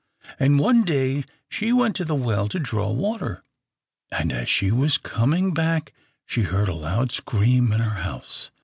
And one day she went to the well to draw water, and as she was coming back she heard a loud scream in her house.